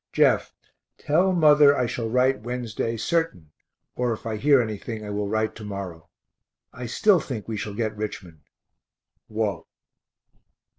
Jeff, tell mother I shall write Wednesday certain (or if I hear anything I will write to morrow). I still think we shall get Richmond. WALT.